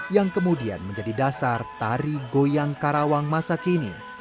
yang kemudian menjadi dasar tari goyang karawang masa kini